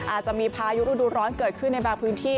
อาจจะมีพายุฤดูร้อนเกิดขึ้นในบางพื้นที่